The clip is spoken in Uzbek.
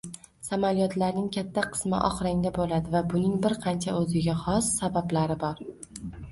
Samolyotlarning katta qismi oq rangda boʻladi va buning bir qancha oʻziga xos sabablari bor: